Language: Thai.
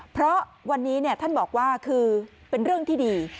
เพราะวันนี้ท่านบอกว่าคือเป็นเรื่องที่ดี